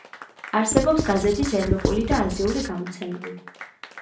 არსებობს გაზეთის ევროპული და აზიური გამოცემები.